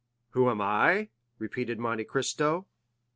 "Who am I?" repeated Monte Cristo.